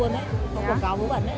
nguy hiểm là hàng